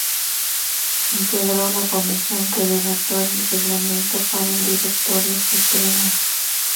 Integró la comisión que redactó el reglamento para el Directorio Supremo.